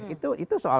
itu soal perhubungan